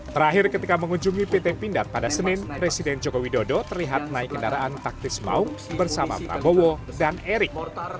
terakhir ketika mengunjungi pt pindad pada senin presiden joko widodo terlihat naik kendaraan taktis maung bersama prabowo dan erick